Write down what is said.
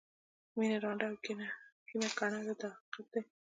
مینه ړانده او کینه کڼه ده دا حقیقت دی.